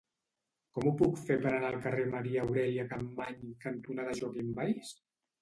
Com ho puc fer per anar al carrer Maria Aurèlia Capmany cantonada Joaquim Valls?